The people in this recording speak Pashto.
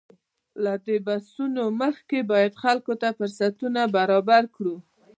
له دې بحثونو مخکې باید خپلو خلکو ته فرصتونه برابر کړو.